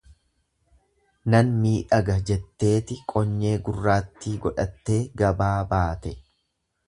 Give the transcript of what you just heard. Nan miidhaga jetteeti qonyee gurratti godhattee gabaa baate.